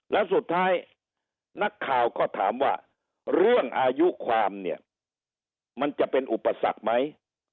แล้วสุดท้ายนักข่าวก็ถามว่าเรื่องอายุความเนี่ยมันจะเป็นอุปสรรคไหม